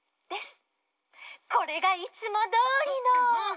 これがいつもどおりの。